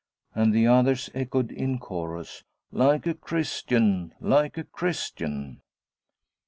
and the others echoed, in chorus, 'Like a Christian like a Christian!'